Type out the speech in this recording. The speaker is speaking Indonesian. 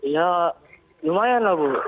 ya lumayan lah bu